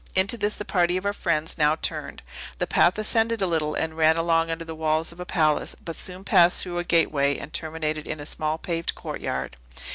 Into this the party of our friends now turned. The path ascended a little, and ran along under the walls of a palace, but soon passed through a gateway, and terminated in a small paved courtyard.